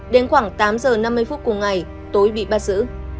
đến khoảng tám h năm mươi phút của ngày tối bị bắt giữ